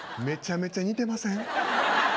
めちゃめちゃ似てません？